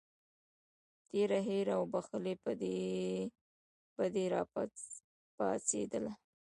تېره هیره او بښلې بدي راپاڅېدله.